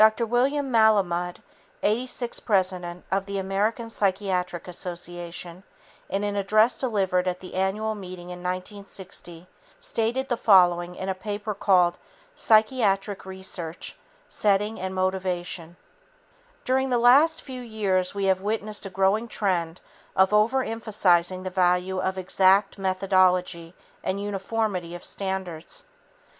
Dr. William Malamud, 86th president of the American Psychiatric Association, in an address delivered at the annual meeting in 1960, stated the following in a paper called "Psychiatric Research: Setting and Motivation": "During the last few years we have witnessed a growing trend of overemphasizing the value of 'exact' methodology and uniformity of standards.